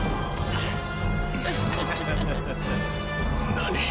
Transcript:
何！？